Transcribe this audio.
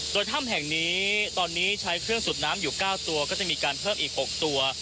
โดยถ้ำแห่งนี้ตอนนี้ใช้เครื่องสูบน้ำอยู่๙ตัวก็จะมีการเพิ่มอีก๖ตัว